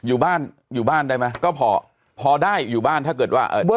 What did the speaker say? อยู่บ้านอยู่บ้านได้ไหมก็พอพอได้อยู่บ้านถ้าเกิดว่า